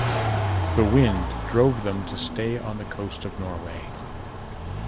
The wind drove them to stay on the coast of Norway.